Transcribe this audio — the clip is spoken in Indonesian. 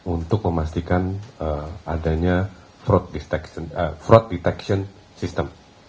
untuk memastikan adanya fraud fraud detection system